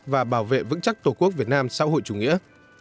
và bảo vệ vững chắc tổ quốc việt nam xã hội chủ nghĩa